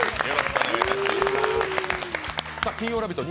金曜「ラヴィット！」